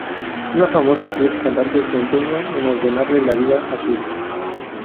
Una famosa actriz y cantante se empeña en ordenarle la vida a su hija.